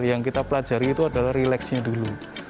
yang kita pelajari itu adalah relax nya dulu